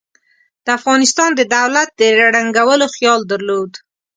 د افغانستان د دولت د ړنګولو خیال درلود.